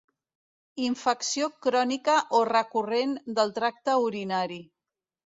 Infecció crònica o recurrent del tracte urinari.